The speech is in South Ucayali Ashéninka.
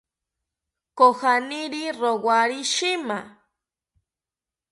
Kojaniri rowari shima